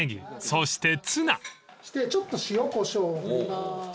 そしてちょっと塩こしょうを振ります。